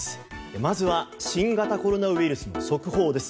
まずは新型コロナウイルスの速報です。